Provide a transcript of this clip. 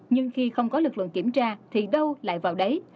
nhưng khi không có lực lượng kiểm tra thì đâu lại vào đấy